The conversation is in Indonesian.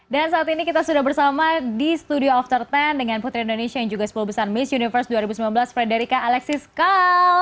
dan saat ini kita sudah bersama di studio after sepuluh dengan putri indonesia yang juga sepuluh besar miss universe dua ribu sembilan belas frederica alexis kall